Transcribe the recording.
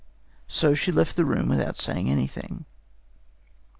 So she left the room without saying anything.